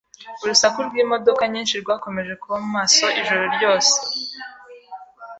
Urusaku rw'imodoka nyinshi rwakomeje kuba maso ijoro ryose.